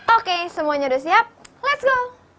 oke semuanya udah siap let's go